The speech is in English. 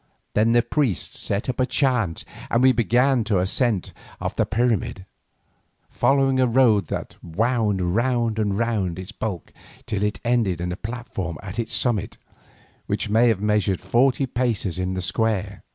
Then the priests set up a chant and we began the ascent of the pyramid, following a road that wound round and round its bulk till it ended on a platform at its summit, which may have measured forty paces in the square.